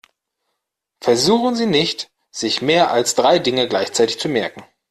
Versuchen Sie nicht, sich mehr als drei Dinge gleichzeitig zu merken.